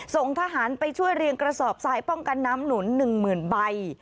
ส่งทหารไปช่วยเรียงกระสอบทรายป้องกันน้ำหนุน๑๐๐๐ใบ